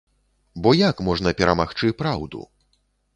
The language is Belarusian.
Бо як можна перамагчы праўду?!